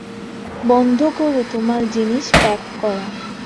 বন্ধ করো তোমার জিনিস প্যাক করা।